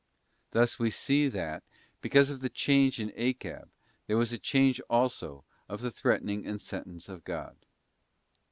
ft Thus we see that, because of the change in Achab, there was a change also of the threatening and sentence of God.